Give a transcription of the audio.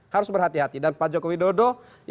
harus berhati hati dan pak jokowi dodo